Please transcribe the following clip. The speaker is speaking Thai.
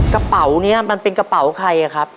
กระเป๋านี้มันเป็นกระเป๋าใครครับ